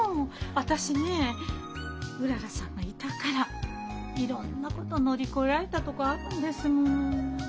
私ねうららさんがいたからいろんなこと乗り越えられたとこあるんですもの。